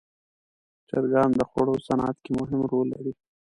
چرګان د خوړو صنعت کې مهم رول لري.